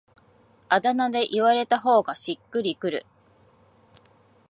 あだ名で言われた方がしっくりくる